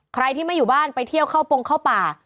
ใครที่ไม่อยู่บ้านไปเที่ยวเข้าปงเข้าป่า